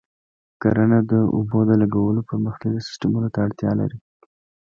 کرنه د اوبو د لګولو پرمختللي سیستمونه ته اړتیا لري.